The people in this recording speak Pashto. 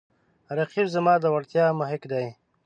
رقیب زما د وړتیاو محک دی